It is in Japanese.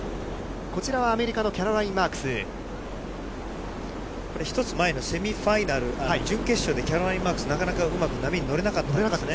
こちらはアメリカのキャロラインこれ、１つ前の前のセミファイナル、準決勝でキャロライン・マークス、なかなかうまく波に乗れなかったんですね。